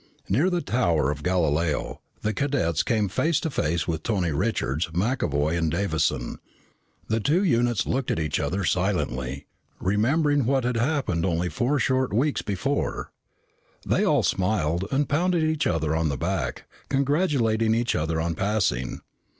Near the Tower of Galileo, the cadets came face to face with Tony Richards, McAvoy, and Davison. The two units looked at each other silently, remembering what had happened only four short weeks before. Then they all smiled and pounded each other on the back, congratulating each other on passing.